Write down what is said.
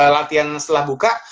latihan setelah buka